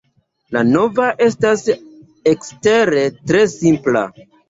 La navo estas ekstere tre simpla.